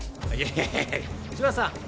いやいや柴田さん